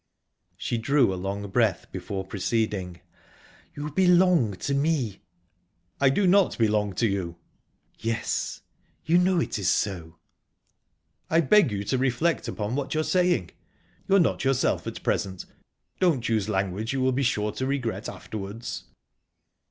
She drew a long breath before proceeding..."You belong to me." "I do not belong to you." "Yes you know it is so." "I beg you to reflect upon what you're saying. You are not yourself at present. Don't use language you will be sure to regret afterwards."